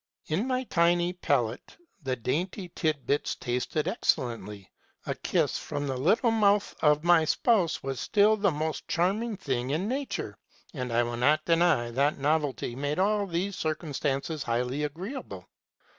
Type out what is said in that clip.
In my tiny palate the dainty tidbits tasted excellently ; a kiss from the little mouth of my spouse was still the most charming thing in nature ; and I will not deny that novelty made all these circumstances highly agree able.